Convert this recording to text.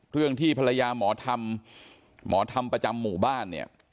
เรื่องที่ภรรยาหมอทำหมอทำประจำหมู่บ้านเนี่ย